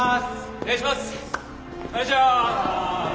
お願いします！